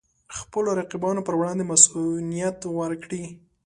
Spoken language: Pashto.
خپلو رقیبانو پر وړاندې مصئونیت ورکړي.